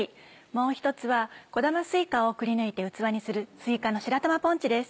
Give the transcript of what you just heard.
もう１つは小玉すいかをくりぬいて器にする「すいかの白玉ポンチ」です。